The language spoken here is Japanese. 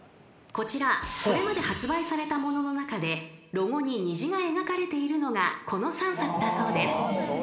［こちらこれまで発売されたものの中でロゴに虹が描かれているのがこの３冊だそうです］